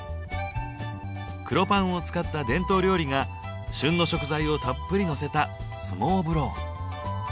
黒パンを使った伝統料理が旬の食材をたっぷりのせたスモーブロー。